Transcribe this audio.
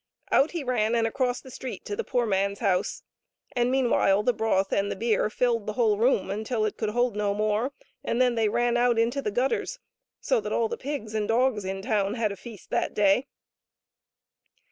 Out he ran and across the street to the poor man's house, and meanwhile the broth and beer filled the whole room until it could hold no more, and then ran out into the gutters so that all the pigs and dogs in the town had a feast that day.